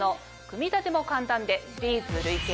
組み立ても簡単で。